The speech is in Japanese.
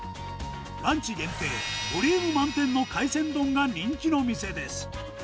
ランチ限定、ボリューム満点の海鮮丼が人気の店です。